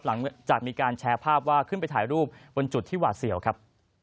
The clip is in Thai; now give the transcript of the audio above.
หลังจากมีการแชร์ภาพว่าขึ้นไปถ่ายรูปบนจุดที่หวาดเสียวครับ